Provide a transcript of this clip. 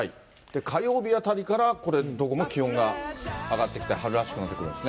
火曜日あたりからこれ、どこも気温が上がってきて春らしくなってくるんですね。